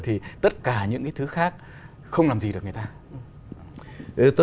thì tất cả những cái thứ khác không làm gì được người ta